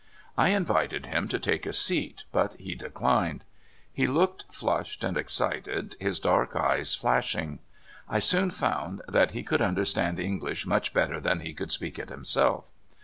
I invited him to take a seat, but he dechned. He looked flushed and excited, his dark eyes flash ing. I soon found that he could understand Eng lish much better than he could speak it himself.